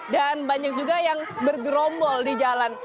dan banyak juga yang bergerombol di jalan